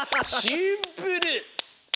シンプル！